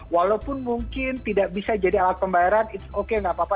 walaupun mungkin tidak bisa jadi alat pembayaran it's okay tidak apa apa